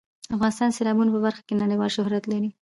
افغانستان د سیلابونه په برخه کې نړیوال شهرت لري.